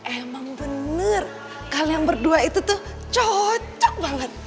emang bener kalian berdua itu tuh cocok banget